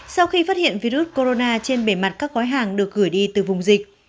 sau khi phát hiện virus corona trên bề mặt các gói hàng được gửi đi từ vùng dịch